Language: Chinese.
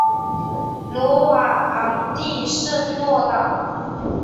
鲁瓦昂地区圣洛朗。